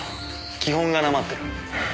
基本がなまってる。